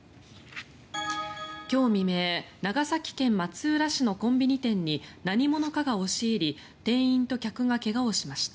今日未明長崎県松浦市のコンビニ店に何者かが押し入り店員と客が怪我をしました。